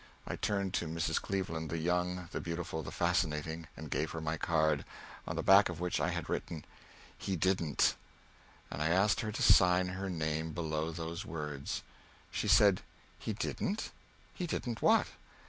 I turned to Mrs. Cleveland, the young, the beautiful, the fascinating, and gave her my card, on the back of which I had written "He didn't" and I asked her to sign her name below those words. She said: "He didn't? He didn't what?"